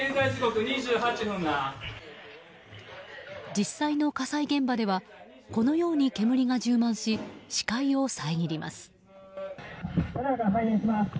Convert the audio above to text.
実際の火災現場ではこのように煙が充満し視界を遮ります。